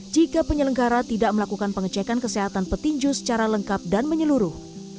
jika penyelenggara tidak melakukan pengecekan kesehatan petinju secara lengkap dan menyeluruh